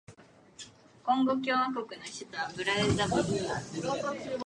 加茂川のほとりに建っていたときは、非常によく調和のとれた家でした